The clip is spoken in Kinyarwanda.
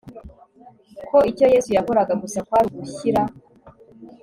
ko icyo yesu yakoraga gusa kwari ugushyira